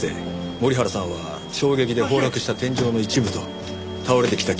森原さんは衝撃で崩落した天井の一部と倒れてきた器具棚の下敷きになり。